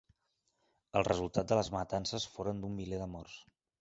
El resultat de les matances foren d'un miler de morts.